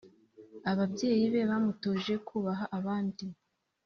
ababyeyi be bamutoje kubaha abandi